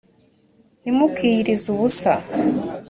ntimukiyirize ubusa .